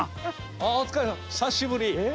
あお疲れさま久しぶり。